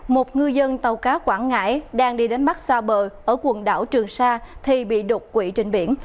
một ngư dân tàu cá quảng ngãi đang đi đánh bắt xa bờ ở quần đảo trường sa thì bị đột quỵ trên biển